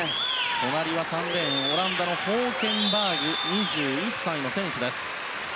隣は３レーンオランダのホーケンバーグという２１歳の選手です。